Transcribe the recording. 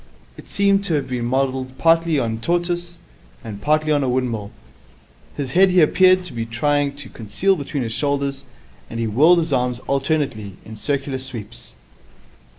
It seemed to have been modelled partly on a tortoise and partly on a windmill. His head he appeared to be trying to conceal between his shoulders, and he whirled his arms alternately in circular sweeps.